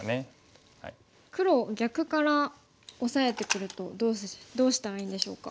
黒逆からオサえてくるとどうしたらいいんでしょうか。